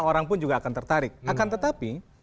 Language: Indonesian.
orang pun juga akan tertarik akan tetapi